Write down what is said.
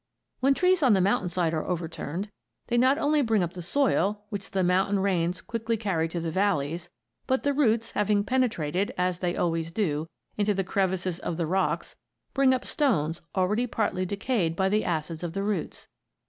When trees on the mountainside are overturned, they not only bring up the soil, which the mountain rains quickly carry to the valleys, but the roots having penetrated as they always do into the crevices of the rocks, bring up stones already partly decayed by the acids of the roots.